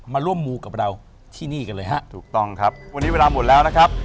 มาร่วมมูกับเราที่นี่กันเลยครับถูกต้องครับ